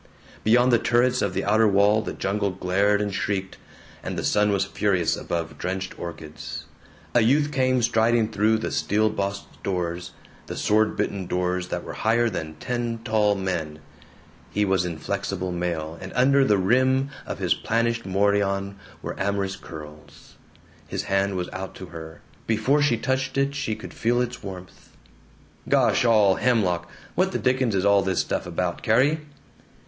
Beyond the turrets of the outer wall the jungle glared and shrieked, and the sun was furious above drenched orchids. A youth came striding through the steel bossed doors, the sword bitten doors that were higher than ten tall men. He was in flexible mail, and under the rim of his planished morion were amorous curls. His hand was out to her; before she touched it she could feel its warmth "Gosh all hemlock! What the dickens is all this stuff about, Carrie?"